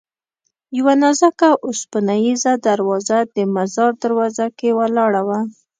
یوه نازکه اوسپنیزه دروازه د مزار دروازه کې ولاړه وه.